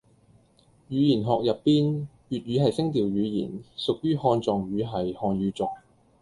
語言學入邊，粵語係聲調語言，屬於漢藏語系漢語族